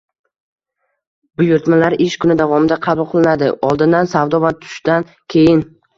Buyurtmalar ish kuni davomida qabul qilinadi, oldindan savdo va tushdan keyin